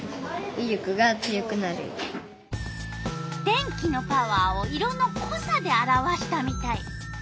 電気のパワーを色のこさで表したみたい。